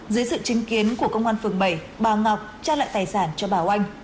dưới sự chứng kiến của công an phường bảy bà ngọc trao lại tài sản cho bà oanh